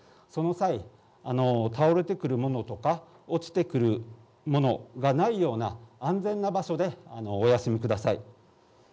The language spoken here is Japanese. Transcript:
その際、倒れてくる物とか落ちてくる物がないような安全な場所でおやすみください。